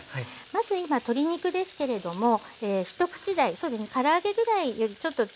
まず今鶏肉ですけれども一口大そうですねから揚げぐらいよりちょっと小さめでもいいです。